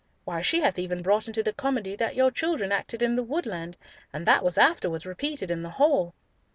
Why, she hath even brought in the comedy that your children acted in the woodland, and that was afterwards repeated in the hall!"